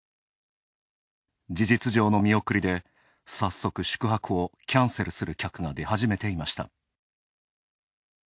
事実上の見送りで早速宿泊をキャンセルする客が出始めていました。